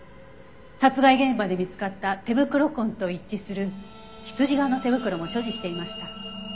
殺害現場で見つかった手袋痕と一致する羊革の手袋も所持していました。